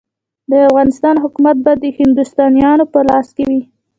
د افغانستان حکومت به د هندوستانیانو په لاس کې وي.